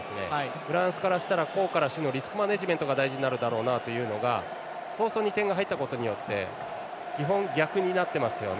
フランスからしたら攻から守のリスクマネジメントが大事になるだろうなというところが早々に点が入ったことによって基本、逆になってますよね。